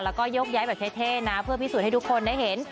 แล้วก็ยกย้ายแบบเท่นะเพื่อพิสูจน์ให้ทุกคนได้เห็น